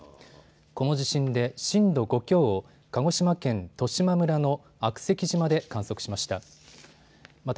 この地震で震度５強を鹿児島県十島村の悪石島で観測しました。